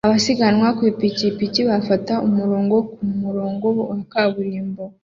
Abasiganwa ku ipikipiki bafata umurongo ku murongo wa kaburimbo